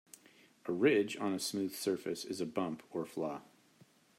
A ridge on a smooth surface is a bump or flaw.